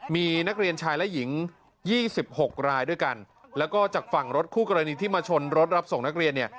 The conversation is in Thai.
มีนักเรียนชายและหญิงยี่สิบหกรายด้วยกันแล้วก็จากฝั่งรถคู่กรณีที่มาชนรถรับส่งนักเรียนเนี่ย